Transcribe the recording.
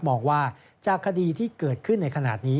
มองว่าจากคดีที่เกิดขึ้นในขณะนี้